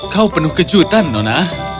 kau penuh kejutan nona